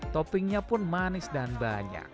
toppingnya pun manis dan banyak